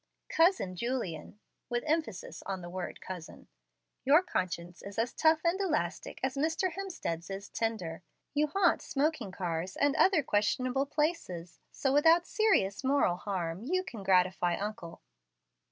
Cousin Julian" (with emphasis on the word cousin), "your conscience is as tough and elastic as Mr. Hemstead's is tender. You haunt smoking cars and other questionable places; so, without serious moral harm, you can gratify uncle."